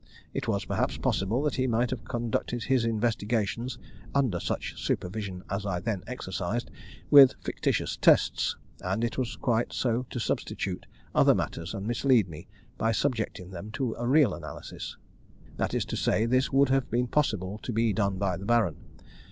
It was, perhaps, possible that he might have conducted his investigations, under such supervision as I then exercised, with fictitious tests, and it was quite so to substitute other matters and mislead me by subjecting them to a real analysis. That is to say, this would have been possible to be done by the Baron.